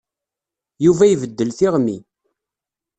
Yuba ibeddel tiɣmi.